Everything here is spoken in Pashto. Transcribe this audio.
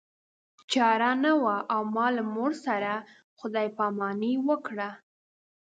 چاره نه وه او ما له مور سره خدای پاماني وکړه